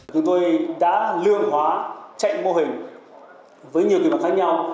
chúng tôi đã lương hóa chạy mô hình với nhiều kỳ bằng khác nhau